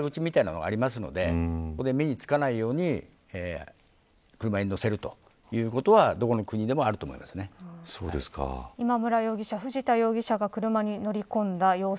そういう裏口みたいな所がありますので目につかないような所に車に乗せるということは今村容疑者、藤田容疑者が車に乗り込んだ様子。